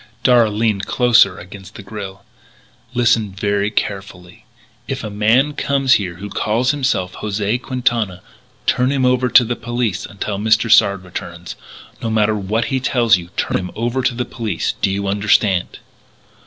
Darragh leaned closer against the grille: "Listen very carefully; if a man comes here who calls himself José Quintana, turn him over to the police until Mr. Sard returns. No matter what he tells you, turn him over to the police. Do you understand?"